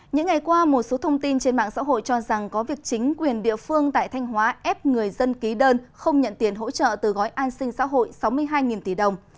những ngày qua một số thông tin trên mạng xã hội cho rằng có việc chính quyền địa phương tại thanh hóa ép người dân ký đơn không nhận tiền hỗ trợ từ gói an sinh xã hội sáu mươi hai tỷ đồng